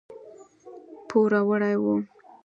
پوروړي وو.